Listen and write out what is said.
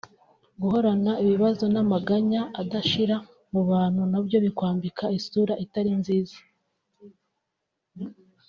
Guhorana ibibazo n’amaganya adashira mu bantu nabyo bikwambika isura itari nziza